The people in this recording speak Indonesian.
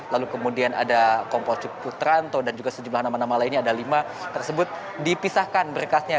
lalu kemudian ada kompol cuteranto dan juga sejumlah nama nama lainnya ada lima tersebut dipisahkan berkasnya